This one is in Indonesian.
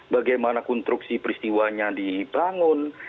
bagaimana konstruksi peristiwanya dibangun